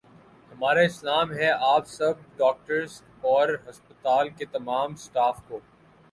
ہمارا سلام ہے آپ سب ڈاکٹرس اور ہسپتال کے تمام سٹاف کو